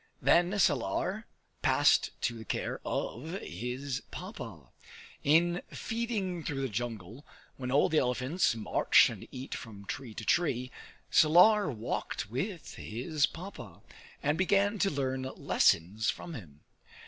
Then Salar passed to the care of his Papa. In feeding through the jungle, when all the elephants march and eat from tree to tree, Salar walked with his Papa, and began to learn lessons from him.